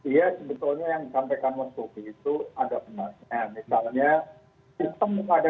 iya sebetulnya yang disampaikan moskowi itu ada penasaran